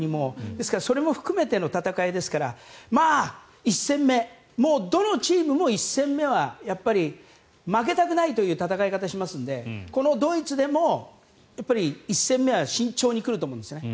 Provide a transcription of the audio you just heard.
ですからそれも含めての戦いですからどのチームも１戦目は負けたくないという戦い方をしますのでこのドイツでも１戦目は慎重に来ると思うんですよね。